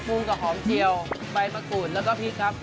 กับหอมเจียวใบมะกรูดแล้วก็พริกครับ